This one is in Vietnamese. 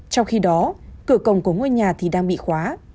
trong khi đó cửa cổng của ngôi nhà thì đang bị khóa